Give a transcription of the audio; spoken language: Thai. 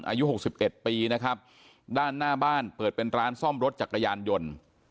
อายุหกสิบเอ็ดปีนะครับด้านหน้าบ้านเปิดเป็นร้านซ่อมรถจักรยานยนต์